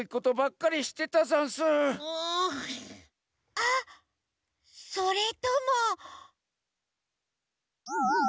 あっそれとも。